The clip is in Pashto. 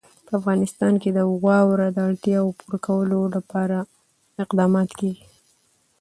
په افغانستان کې د واوره د اړتیاوو پوره کولو لپاره اقدامات کېږي.